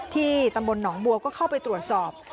ตำบลหนองบัวก็เข้าไปตรวจสอบ